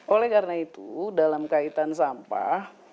oleh karena itu dalam kaitan sampah